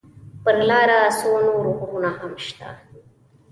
پر لاره څو نور غرونه هم شته.